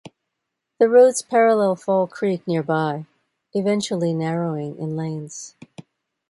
The roads parallel Fall Creek nearby, eventually narrowing in lanes.